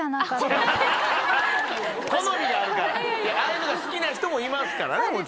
ああいうのが好きな人もいますからねもちろん。